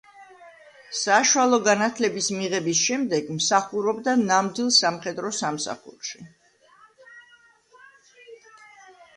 საშუალო განათლების მიღების შემდეგ მსახურობდა ნამდვილ სამხედრო სამსახურში.